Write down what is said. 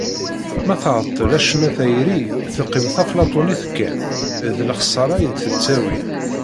Ma tεeṭṭel acemma tayri teqqim taflaṭunit kan, d lexsara i d-tettawi.